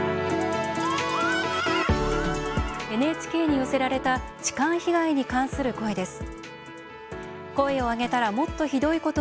ＮＨＫに寄せられた痴漢被害に関する声です。